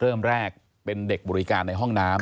เริ่มแรกเป็นเด็กบริการในห้องน้ำ